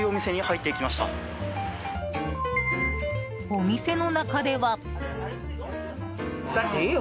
お店の中では。